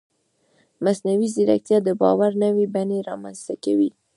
مصنوعي ځیرکتیا د باور نوې بڼې رامنځته کوي.